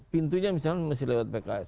pintunya misalnya masih lewat pks